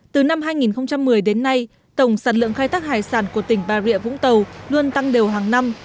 từ năm hai nghìn một mươi đến nay tổng sản lượng khai thác hải sản của tỉnh bà rịa vũng tàu luôn tăng đều hàng năm